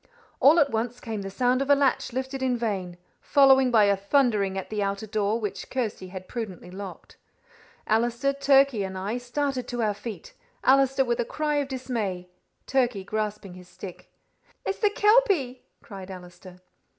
All at once came the sound of a latch lifted in vain, followed by a thundering at the outer door, which Kirsty had prudently locked. Allister, Turkey, and I started to our feet, Allister with a cry of dismay, Turkey grasping his stick. "It's the kelpie!" cried Allister.